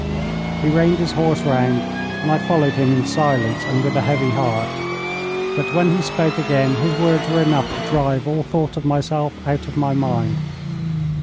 He reined his horse round, and I followed him in silence and with a heavy heart. But when he spoke again his words were enough to drive all thought of myself out of my mind.